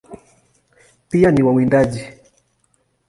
Pia ni wawindaji.